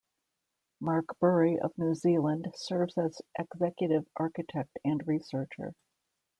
Mark Burry of New Zealand serves as Executive Architect and Researcher.